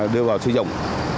đưa vào sử dụng